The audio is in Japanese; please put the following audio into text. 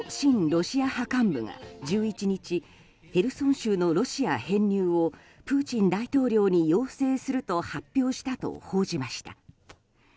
ロシア派幹部が１１日ヘルソン州のロシア編入をプーチン大統領に要請すると発表したと報じました。